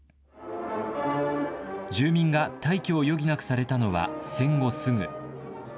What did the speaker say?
住民が退去を余儀なくされたのは戦後すぐ。